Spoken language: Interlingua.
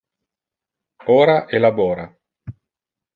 Ora e labora.